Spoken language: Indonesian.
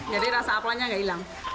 jadi rasa apelannya enggak hilang